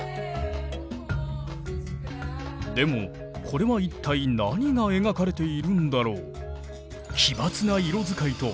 でもこれは一体何が描かれているんだろう。